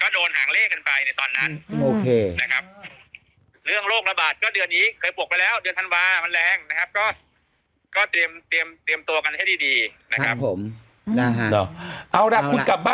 โดนหางเลขกันไปในตอนนั้นนะครับ